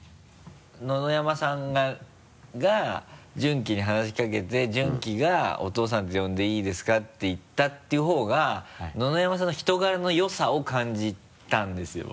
野々山さんがジュンキに話しかけてジュンキが「お父さんと呼んでいいですか？」って言ったって言う方が野々山さんの人柄の良さを感じたんですよ。